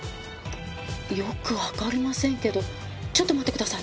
よくわかりませんけどちょっと待ってください。